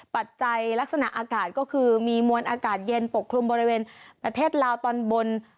ปัจจัยลักษณะอากาศก็คือมีมวลอากาศเย็นปกคลุมบริเวณประเทศลาวตอนบน